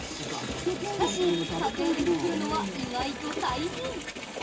しかし家庭で作るのは意外と大変。